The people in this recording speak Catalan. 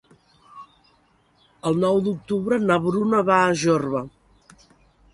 El nou d'octubre na Bruna va a Jorba.